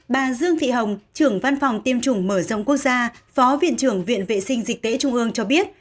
bà dương thị hồng trưởng văn phòng tiêm chủng mở rộng quốc gia phó viện trưởng viện vệ sinh dịch tễ trung ương cho biết